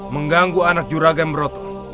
mengganggu anak juragan broto